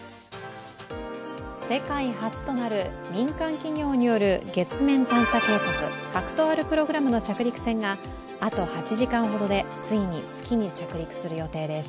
世界初となる民間企業による月面探査計画、ＨＡＫＵＴＯ−Ｒプログラムの着陸船があと８時間ほどでついに月に着陸する予定です。